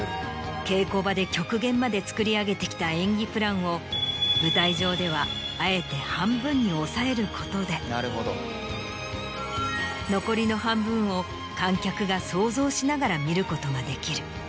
稽古場で極限まで作り上げてきた演技プランを舞台上ではあえて半分に抑えることで残りの半分を観客が想像しながら見ることができる。